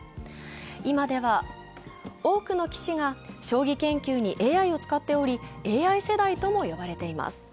今では多くの棋士が将棋研究にＡＩを使っておりＡＩ世代とも呼ばれています。